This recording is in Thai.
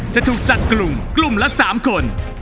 จะถูกจัดกลุ่มกลุ่มละ๓คน